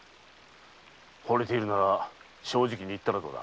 惚れているなら正直に言ったらどうだ？